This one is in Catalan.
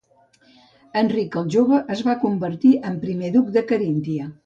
Enric el Jove es va convertir en primer duc de Caríntia.